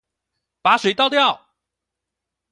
把水倒掉